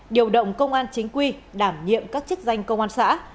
điều động công an chính quy đảm nhiệm các chức danh công an xã